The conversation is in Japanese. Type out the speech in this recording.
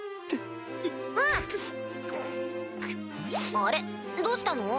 あれどうしたの？